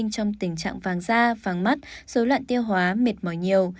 trong tình trạng vàng da vàng mắt số loạn tiêu hóa mệt mỏi nhiều